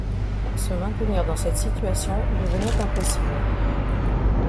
Se maintenir dans cette situation devenait impossible.